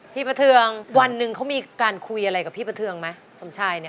ประเทืองวันหนึ่งเขามีการคุยอะไรกับพี่ประเทืองไหมสมชายเนี่ย